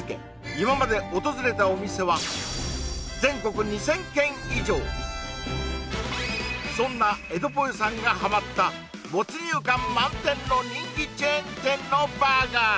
今まで訪れたお店は全国２０００軒以上そんなえどぽよさんがハマった没入感満点の人気チェーン店のバーガー